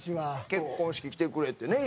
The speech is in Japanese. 結婚式来てくれてね。